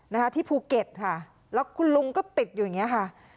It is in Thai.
นะคะที่ภูเก็ตค่ะแล้วคุณลุงก็ติดอยู่อย่างเงี้ยค่ะ